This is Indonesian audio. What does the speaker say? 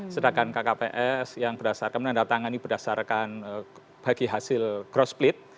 sedangkan kkps yang berdasarkan menandatangani berdasarkan bagi hasil gross split